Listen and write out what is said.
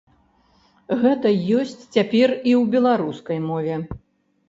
Гэта ёсць цяпер і ў беларускай мове.